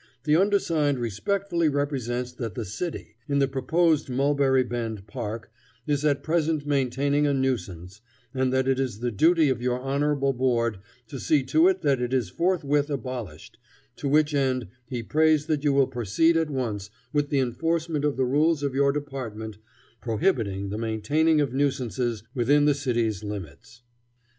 The undersigned respectfully represents that the city, in the proposed Mulberry Bend park, is at present maintaining a nuisance, and that it is the duty of your honorable Board to see to it that it is forthwith abolished, to which end he prays that you will proceed at once with the enforcement of the rules of your department prohibiting the maintaining of nuisances within the city's limits."